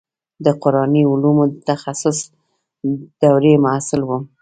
د قراني علومو د تخصص دورې محصل وم.